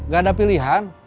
gak ada pilihan